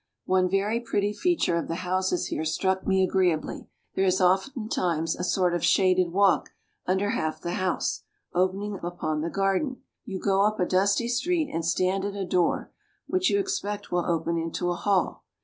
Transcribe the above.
One very pretty feature of the houses here struck me agreeably. There is oftentimes a sort of shaded walk under half the house, opening upon the garden. You go up a dusty street, and stand at a door, which you expect will open into a hall.